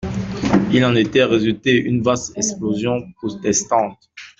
Il en était résulté une vaste explosion protestante.